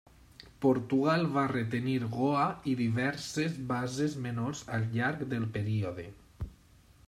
Portugal va retenir Goa i diverses bases menors al llarg del període.